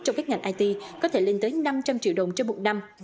trong các ngành it có thể lên tới năm trăm linh triệu đồng cho một năm